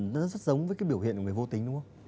nó rất giống với cái biểu hiện của người vô tính đúng không